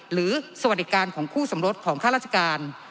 หรือสวัสดิการของคู่สำรวจของค่าราชการ